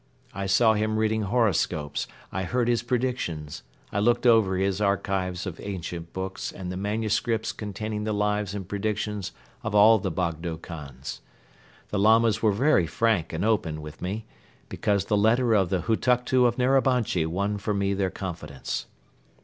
I saw him reading horoscopes, I heard his predictions, I looked over his archives of ancient books and the manuscripts containing the lives and predictions of all the Bogdo Khans. The Lamas were very frank and open with me, because the letter of the Hutuktu of Narabanchi won for me their confidence.